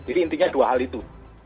jadi intinya dua hal itu